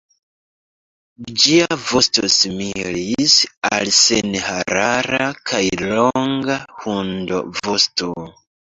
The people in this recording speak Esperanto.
Ĝia vosto similis al senharara kaj longa hundovosto.